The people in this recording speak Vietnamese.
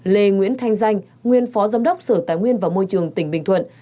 ba lê nguyễn thanh danh nguyên phó giám đốc sở tài nguyên và môi trường tỉnh bình thuận